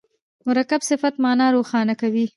مرکب صفت مانا روښانه کوي.